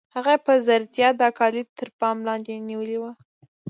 هغې په ځیرتیا دا کلی تر پام لاندې نیولی و